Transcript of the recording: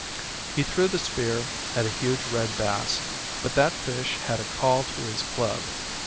He threw the spear at a huge red bass, but that fish had a call to his club.